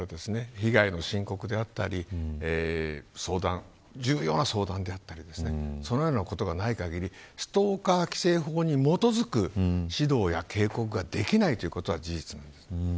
本人から被害の申告であったり重要な相談であったりそのようなことがない限りストーカー規制法に基づく指導や警告ができないということが事実です。